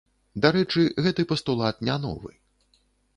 Дарэчы, гэты пастулат не новы.